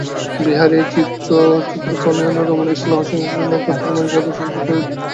বিহারী এই চিরপুত্রহীনা রমণীর স্নেহ-সিংহাসনে পুত্রের মানস-আদর্শরূপে বিরাজ করিত।